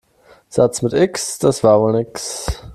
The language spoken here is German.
Satz mit X, das war wohl nix.